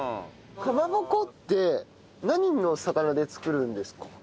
かまぼこって何の魚で作るんですか？